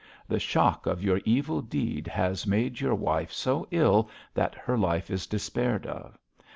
The shock of your evil deed has made your wife so ill that her life is despaired of.